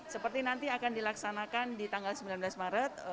seperti nanti akan dilaksanakan di tanggal sembilan belas maret